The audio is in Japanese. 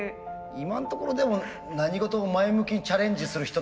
今んところでも何事も前向きにチャレンジする人の話だよね。